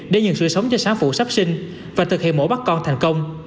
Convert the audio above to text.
để nhường sự sống cho sáng phụ sắp sinh và thực hiện mổ bắt con thành công